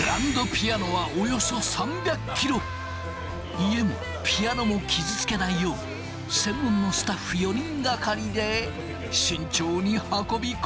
家もピアノも傷つけないよう専門のスタッフ４人がかりで慎重に運び込まれる。